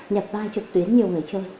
nhập vai trực tuyến nhiều người chơi